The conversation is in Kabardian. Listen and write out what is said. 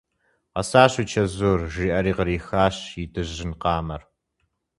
Къэсащ уи чэзур! – жиӏэри кърихащ и дыжьын къамэр.